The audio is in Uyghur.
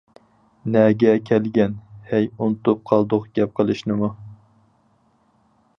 نەگە كەلگەن؟ ھەي، ئۇنتۇپ قالدۇق گەپ قىلىشنىمۇ.